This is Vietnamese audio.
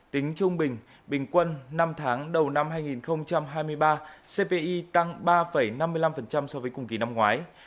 tính trung bình bình quân năm tháng đầu năm hai nghìn hai mươi ba cpi tăng ba năm mươi năm so với cùng kỳ năm ngoái